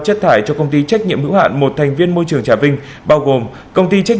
chất thải cho công ty trách nhiệm hữu hạn một thành viên môi trường trà vinh bao gồm công ty trách